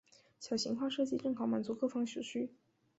小型化设计正好满足各方所需。